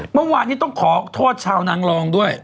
เมื่อวานนี้ต้องขอโทษชาวนางรองด้วย